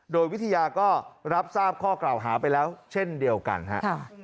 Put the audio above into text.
โดยวิทยาก็รับทราบข้อกล่าวหาไปแล้วเช่นเดียวกันฮะ